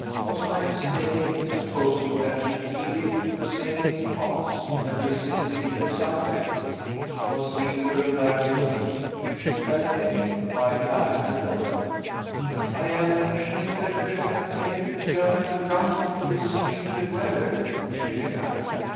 Was I mistaken in supposing that she yielded to the same impulse, and resisted it as I did? She concealed her embarrassment, if she felt any, by patting the dog. "I am ashamed that you should have taken the journey to London in this wintry weather " she began.